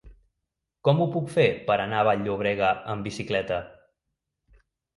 Com ho puc fer per anar a Vall-llobrega amb bicicleta?